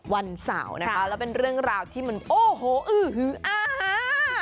วันเสาร์นะคะแล้วเป็นเรื่องราวที่มันโอ้โหอื้อหืออ่า